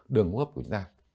đường hấp của chúng ta